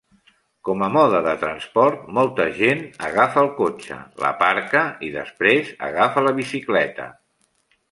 Com a mode de transport, molta gent agafa el cotxe, l'aparca i, després, agafa la bicicleta.